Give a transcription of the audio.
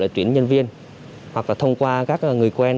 tuyển nhân viên hoặc là thông qua các người quen